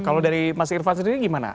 kalau dari mas irvan sendiri gimana